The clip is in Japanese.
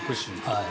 はい。